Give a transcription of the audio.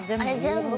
全部。